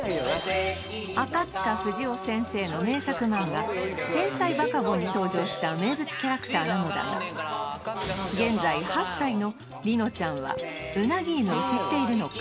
赤塚不二夫先生の名作漫画「天才バカボン」に登場した名物キャラクターなのだが現在８歳のリノちゃんはウナギイヌを知っているのか？